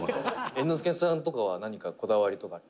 「猿之助さんとかは何か、こだわりとかって」